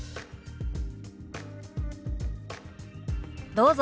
どうぞ。